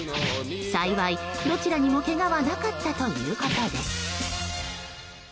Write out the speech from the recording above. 幸い、どちらにもけがはなかったということです。